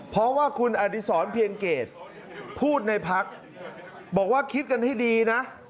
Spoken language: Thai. เพราะว่าคุณอดิษรเพียงเกตพูดในพักบอกว่าคิดกันให้ดีนะ